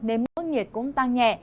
nên mưa nhiệt cũng tăng nhẹ